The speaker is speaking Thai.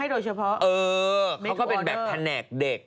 เออเขาก็เป็นแบบแผนกเด็ก